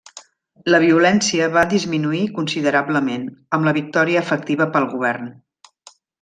La violència va disminuir considerablement, amb la victòria efectiva pel govern.